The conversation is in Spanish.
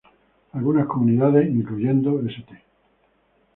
Algunas comunidades, incluyendo St.